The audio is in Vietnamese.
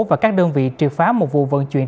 và các đơn vị triệt phá một vụ vận chuyển